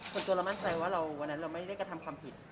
ส่วนตัวเรามั่นใจว่าวันนั้นเราไม่ได้กระทำความผิด